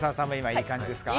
いい感じです！